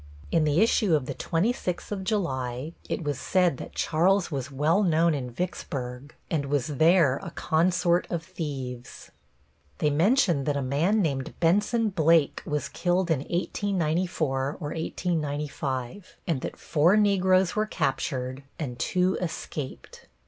In the issue of the twenty sixth of July it was said that Charles was well known in Vicksburg, and was there a consort of thieves. They mentioned that a man named Benson Blake was killed in 1894 or 1895, and that four Negroes were captured, and two escaped.